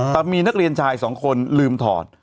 ตามีนักเรียนชาย๒คนลืมถอด